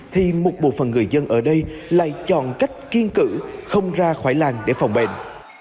thì một bộ phận người dân ở đây lại chọn cách kiên cử không ra khỏi làng để phòng bệnh